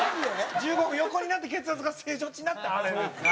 １５分横になって血圧が正常値になってあれなんですよ。